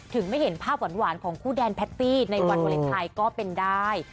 ไม่เห็นภาพหวานของคู่แดนแพตตี้ในวันวาเลนไทยก็เป็นได้